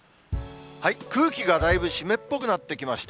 空気がだいぶ湿っぽくなってきました。